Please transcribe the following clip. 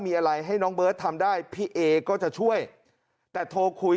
มีอะไรให้น้องเบิร์ตทำได้พี่เอก็จะช่วยแต่โทรคุย